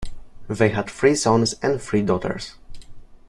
They had three sons and three daughters.